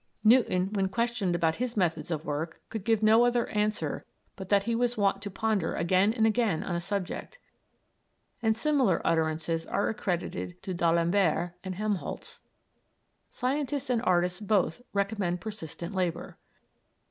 Newton, when questioned about his methods of work, could give no other answer but that he was wont to ponder again and again on a subject; and similar utterances are accredited to D'Alembert and Helmholtz. Scientists and artists both recommend persistent labor.